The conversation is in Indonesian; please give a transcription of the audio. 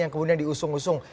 yang kemudian diusung usung